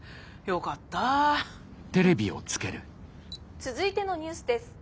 「続いてのニュースです。